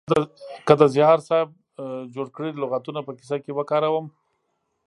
که د زیار صاحب جوړ کړي لغاتونه په کیسه کې وکاروم